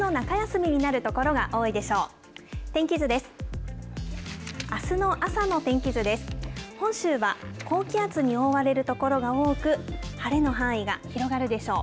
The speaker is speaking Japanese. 今週末は梅雨の中休みになる所が多いでしょう。